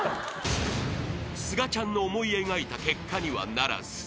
［すがちゃんの思い描いた結果にはならず］